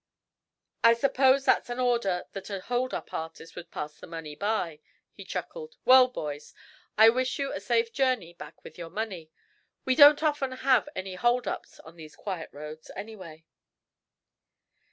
"I suppose that's in order that a hold up artist would pass the money by," he chuckled. "Well, boys, I wish you a safe journey back with your money. We don't often have any hold ups on these quiet roads, anyway."